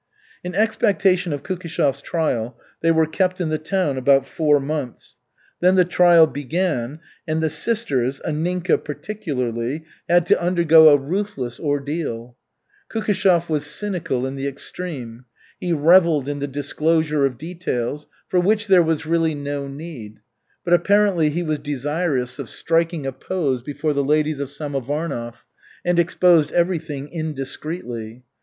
In expectation of Kukishev's trial, they were kept in the town about four months. Then the trial began, and the sisters, Anninka particularly, had to undergo a ruthless ordeal. Kukishev was cynical in the extreme. He revelled in the disclosure of details, for which there was really no need, but apparently he was desirous of striking a pose before the ladies of Samovarnov and exposed everything indiscreetly.